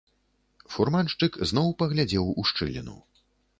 Фурманшчык зноў паглядзеў у шчыліну.